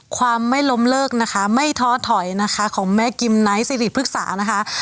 ความไม่ล้มเลิกนะคะไม่ท้อถอยนะคะของแม่กิมไนท์สิริพฤกษานะคะ